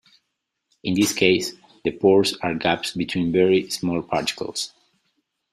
In this case the pores are gaps between very small particles.